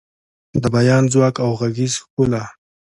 د بیان ځواک او غږیز ښکلا